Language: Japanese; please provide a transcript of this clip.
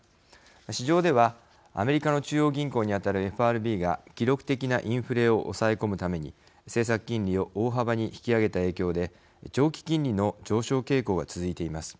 市場では、アメリカの中央銀行に当たるＦＲＢが記録的なインフレを抑え込むために政策金利を大幅に引き上げた影響で長期金利の上昇傾向が続いています。